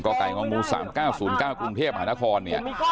กล่าวไก่งองมูสามก้าวศูนย์ก้าวกรุงเทพฯหานครเนี่ย